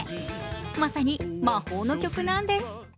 まさに魔法の曲なんです。